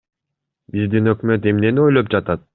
Биздин өкмөт эмнени ойлоп жатат?